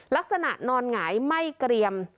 ลักษณะนอนหงายไหม้เกรียม